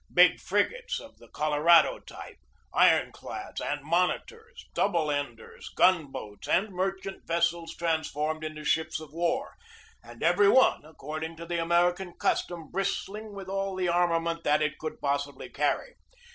Big frigates of the Col orado type, iron clads and monitors, double enders, gun boats, and merchant vessels transformed into ships of war, and every one, according to the Ameri can custom, bristling with all the armament that it could possibly carry.